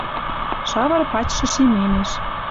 Шавыр пачшы шимемеш.